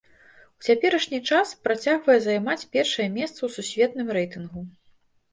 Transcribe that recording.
У цяперашні час працягвае займаць першае месца ў сусветным рэйтынгу.